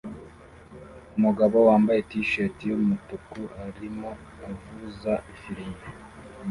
Umugabo wambaye t-shirt yumutuku arimo avuza ifirimbi